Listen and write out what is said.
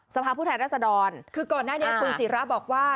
สภรรคือก่อนหน้านี้คุณศิราบอกว่า